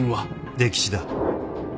溺死だ。